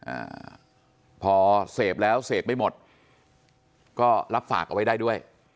อ่าพอเสพแล้วเสพไม่หมดก็รับฝากเอาไว้ได้ด้วย